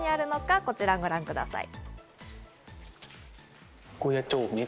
実際こちらをご覧ください。